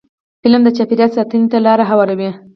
علم د چاپېریال ساتنې ته لاره هواروي.